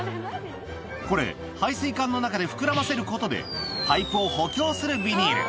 これ、配水管の中で膨らませることで、パイプを補強するビニール。